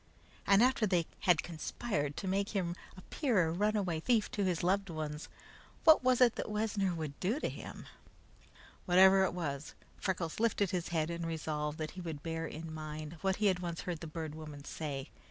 And after they had conspired to make him appear a runaway thief to his loved ones, what was it that Wessner would do to him? Whatever it was, Freckles lifted his head and resolved that he would bear in mind what he had once heard the Bird Woman say.